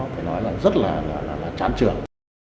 phải nói là rất là chán trường